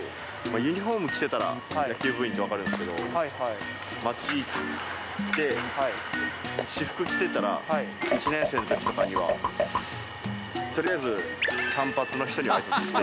ユニホーム着てたら、野球部員って分かるんですけど、街行って、私服着てたら、１年生のときとかには、とりあえず短髪の人にはあいさつして。